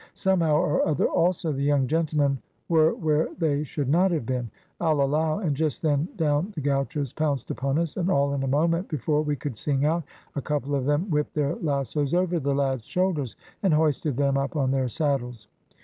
Somehow or other also the young gentlemen were where they should not have been, I'll allow, and just then down the gauchos pounced upon us, and all in a moment, before we could sing out, a couple of them whipped their lassos over the lads' shoulders and hoisted them up on their saddles.